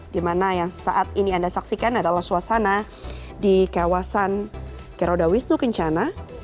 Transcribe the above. di mana yang saat ini anda saksikan adalah suasana di kawasan geroda wisnu kencana